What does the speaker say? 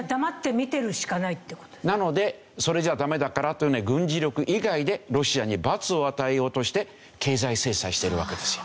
なのでそれじゃダメだからというので軍事力以外でロシアに罰を与えようとして経済制裁してるわけですよ。